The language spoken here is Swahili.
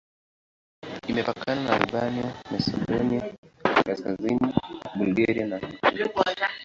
Imepakana na Albania, Masedonia Kaskazini, Bulgaria na Uturuki.